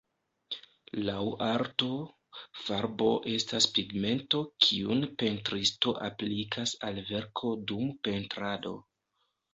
Laŭ arto, farbo estas pigmento kiun pentristo aplikas al verko dum pentrado.